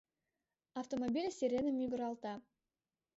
Автомобиль сирена мӱгыралта.